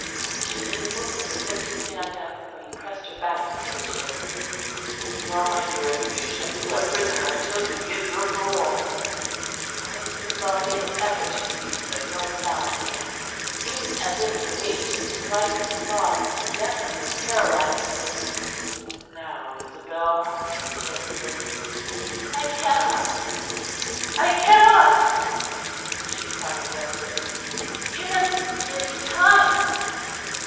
She made a movement as if to stand up; but he pressed her back into the chair. "No, my dearest, you shall be a prisoner until you give your parole." Twice Isabel made an effort to speak; but no sound came. It seemed as if the raging strife of thoughts deafened and paralysed her. "Now, Isabel," said Hubert. "I cannot, I cannot," she cried desperately, "you must give me time.